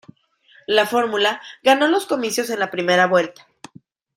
La fórmula ganó los comicios en la primera vuelta.